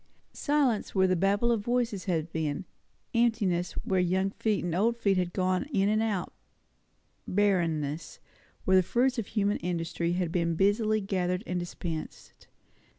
Silence, where the babble of voices had been; emptiness, where young feet and old feet had gone in and out; barrenness, where the fruits of human industry had been busily gathered and dispensed.